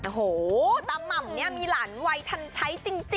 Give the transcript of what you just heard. โอ้โหตาม่ำเนี่ยมีหลานวัยทันใช้จริง